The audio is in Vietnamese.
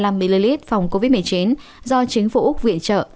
mililit phòng covid một mươi chín do chính phủ úc viện trợ